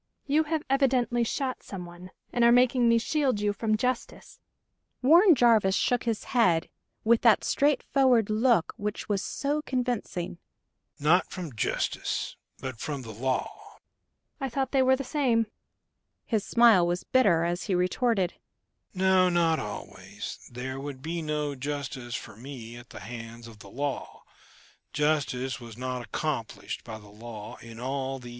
"You have evidently shot someone, and are making me shield you from justice." Warren Jarvis shook his head, with that straightforward look which was so convincing. "Not from justice, but from the law? "I thought they were the same." His smile was bitter, as he retorted: "No, not always. There would be no justice for me at the hands of the law: justice was not accomplished by the law in all these years."